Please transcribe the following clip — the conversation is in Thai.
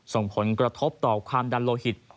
ส่งผลกระทบต่อความดันโลหิต